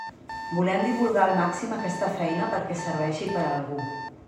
Volem divulgar al màxim aquesta feina perquè serveixi per a algú.